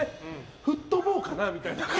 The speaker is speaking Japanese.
吹っ飛ぼうかなみたいな。